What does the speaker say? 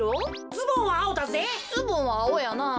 ズボンはあおやなあ。